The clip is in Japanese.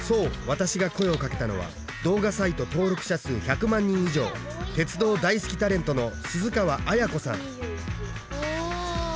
私が声をかけたのは動画サイト登録者数１００万人以上鉄道大好きタレントの鈴川絢子さんおお！